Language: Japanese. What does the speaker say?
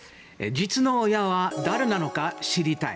実の親は誰なのか知りたい。